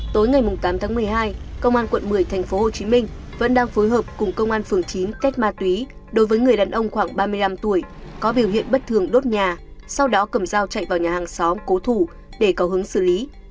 tối ngày tám tháng một mươi hai công an quận một mươi thành phố hồ chí minh vẫn đang phối hợp cùng công an phường chín tết ma túy đối với người đàn ông khoảng ba mươi năm tuổi có biểu hiện bất thường đốt nhà sau đó cầm dao chạy vào nhà hàng xóm cố thủ để cầu hứng xử lý